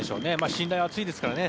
信頼は厚いですからね。